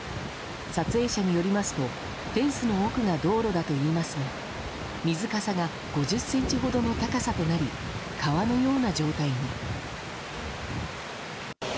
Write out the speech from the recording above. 撮影者によりますとフェンスの奥が道路だといいますが水かさが５０ｃｍほどの高さとなり、川のような状態に。